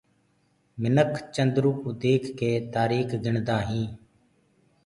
منک چندرو ديک ڪي تآريٚک گُڻدآ هينٚ